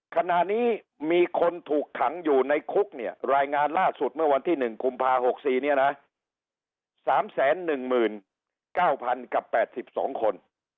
ขณะนี้มีคนถูกขังอยู่ในคุกเนี่ยรายงานล่าสุดเมื่อวันที่๑กุมภา๖๔เนี่ยนะ๓๑๙๐๐กับ๘๒คน